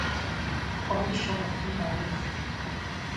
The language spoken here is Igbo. Kọmishọna Mbanefo